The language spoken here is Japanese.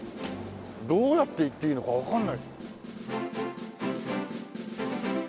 どうやって行っていいのかわかんない。